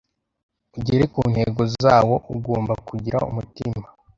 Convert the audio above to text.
ugere ku ntego zawo, agomba kugira umutima